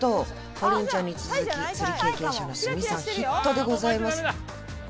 ＰＯＲＩＮちゃんに続き釣り経験者の鷲見さんヒットでございます